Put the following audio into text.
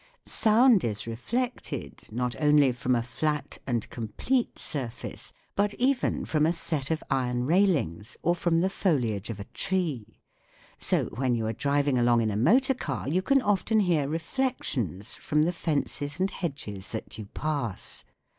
Sound is reflected, not only from a flat and complete surface, but even from a set of iron railings or from the foliage of a tree. So when you are driving along in a motor car you can often hear reflections from the fences and hedges that you pass.